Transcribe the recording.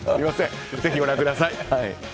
ぜひご覧ください。